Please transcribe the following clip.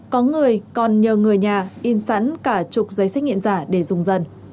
có người còn nhờ người nhà in sẵn cả chục giấy xét nghiệm giả để dùng dần